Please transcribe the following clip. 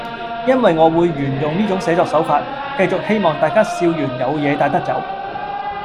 因為我會沿用呢種寫作手法，繼續希望大家笑完有嘢帶得走